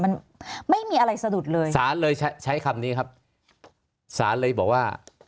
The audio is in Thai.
มันไม่มีอะไรสะดุดเลยสารเลยใช้ใช้คำนี้ครับศาลเลยบอกว่า